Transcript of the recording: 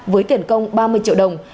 với tiền công ba mươi triệu đồng